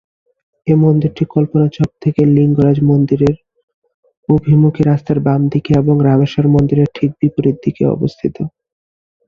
এই মন্দিরটি কল্পনা চক থেকে লিঙ্গরাজ মন্দিরের অভিমুখী রাস্তার বাম দিকে এবং রামেশ্বর মন্দিরের ঠিক বিপরীতে অবস্থিত।